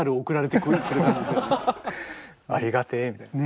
ありがてえみたいな。